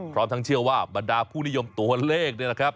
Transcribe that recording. พร้อมทั้งเชื่อว่าบรรดาผู้นิยมตัวเลขนี่แหละครับ